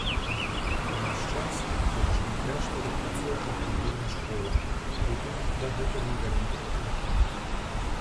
У наш час у колішнім кляштары працуе аўтамабільная школа, будынак дагэтуль не вярнулі каталікам.